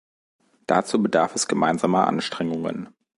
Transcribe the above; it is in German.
Dazu bedarf es gemeinsamer Anstrengungen.